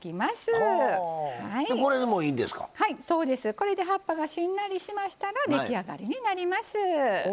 これで葉っぱがしんなりしましたら出来上がりになります。